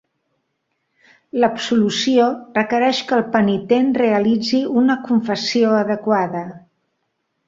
L'absolució requereix que el penitent realitzi una confessió adequada.